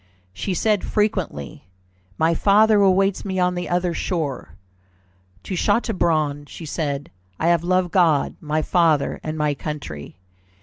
She said frequently, "My father awaits me on the other shore." To Chateaubriand she said, "I have loved God, my father, and my country."